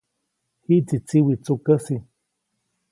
Jiʼtsi tsiwi tsukäsi.